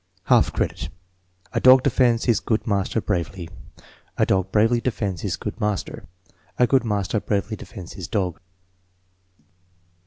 Half credit. "A dog defends his good master bravely." "A dog bravely defends his good master." "A good master bravely defends his dog."